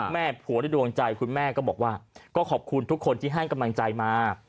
แม่ผัวในดวงใจคุณแม่ก็บอกว่าก็ขอบคุณทุกคนที่ให้กำลังใจมา